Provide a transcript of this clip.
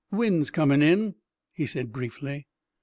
"Wind's comin' in," he said briefly.